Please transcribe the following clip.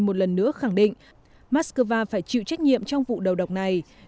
một người nước khẳng định moscow phải chịu trách nhiệm trong vụ đầu độc này